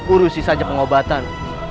urusi saja pengobatan